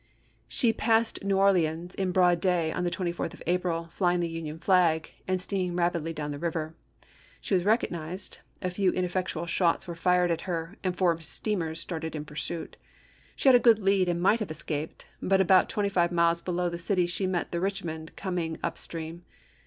She passed New Orleans in broad day on the 24th of April, flying the Union flag, and ises. steaming rapidly down the river. She was recog nized, a few ineffectual shots were fired at her, and four steamers started in pursuit. She had a good lead and might have escaped; but about twenty five miles below the city she met the Bich mond coming up stream.